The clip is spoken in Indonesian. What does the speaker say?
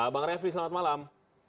bang revli selamat malam